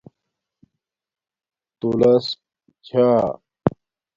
تولس چھݳ